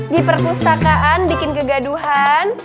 di perpustakaan bikin kegaduhan